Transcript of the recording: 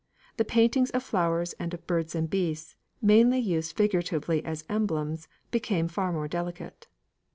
The paintings of flowers and of birds and beasts, mainly used figuratively as emblems, became far more delicate.